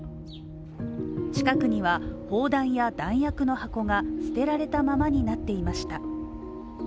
近くには砲弾や弾薬の箱が捨てられたままになっていました。